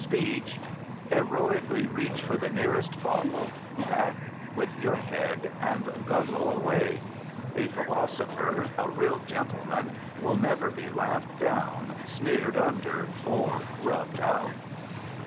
speech!" heroically reach for the nearest bottle, back with your head, and guzzle away. A philosopher, a real gentleman, will never be laughed down, sneered under, or rubbed out.